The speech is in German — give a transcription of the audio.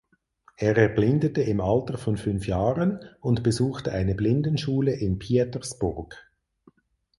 Er erblindete im Alter von fünf Jahren und besuchte eine Blindenschule in Pietersburg.